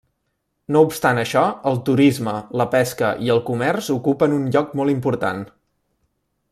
No obstant això el turisme, la pesca i el comerç ocupen un lloc molt important.